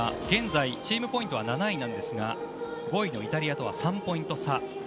現在チームポイントは７位ですが５位のイタリアとは３ポイント差。